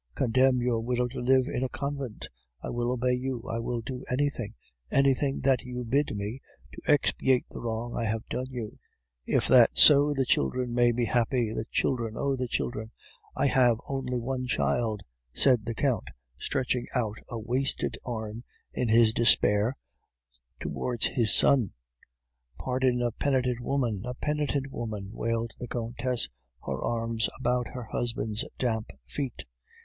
Condemn your widow to live in a convent; I will obey you; I will do anything, anything that you bid me, to expiate the wrong I have done you, if that so the children may be happy! The children! Oh, the children!' "'I have only one child,' said the Count, stretching out a wasted arm, in his despair, towards his son. "'Pardon a penitent woman, a penitent woman!...' wailed the Countess, her arms about her husband's damp feet.